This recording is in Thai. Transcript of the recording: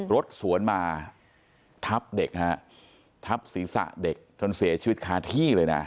รถสวนมาทับเด็กฮะทับศีรษะเด็กจนเสียชีวิตคาที่เลยนะ